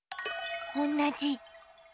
おんなじ。